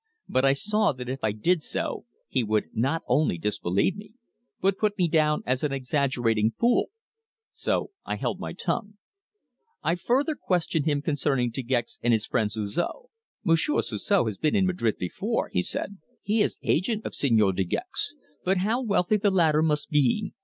But I saw that if I did so he would not only disbelieve me, but put me down as an exaggerating fool. So I held my tongue. I further questioned him concerning De Gex and his friend Suzor. "Monsieur Suzor has been in Madrid before," he said. "He is agent of Señor De Gex. But how wealthy the latter must be!